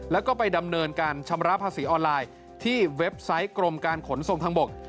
แล้วก็ไปดำเนินการชำระภาษีออนไลน์ที่เว็บไซต์กรมการขนส่งทางบก